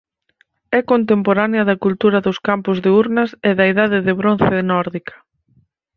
É contemporánea da cultura dos Campos de Urnas e da idade de bronce nórdica.